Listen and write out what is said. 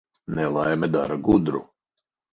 Nelaime dara gudru.